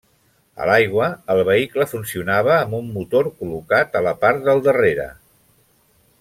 A l'aigua, el vehicle funcionava amb un motor col·locat a la part del darrere.